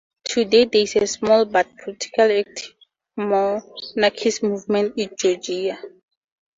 Today there is a small but politically active monarchist movement in Georgia.